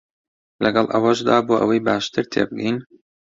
لەگەڵ ئەوەشدا بۆ ئەوەی باشتر تێبگەین